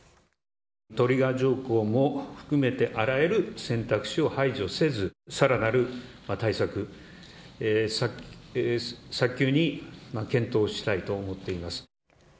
トリガー条項も含めて、あらゆる選択肢を排除せず、さらなる対策、早急に検討したいと思っています。